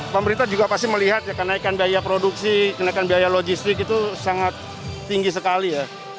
pemerintah juga pasti melihat ya kenaikan biaya produksi kenaikan biaya logistik itu sangat tinggi sekali ya